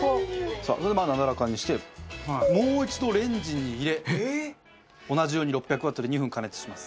さあなだらかにしてもう一度レンジに入れ同じように６００ワットで２分加熱します。